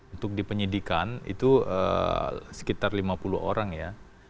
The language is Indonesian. untuk dipenyidikan itu sekitar lima puluh orang ya